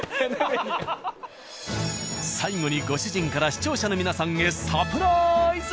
最後にご主人から視聴者の皆さんへサプライズ。